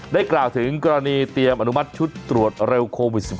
กล่าวถึงกรณีเตรียมอนุมัติชุดตรวจเร็วโควิด๑๙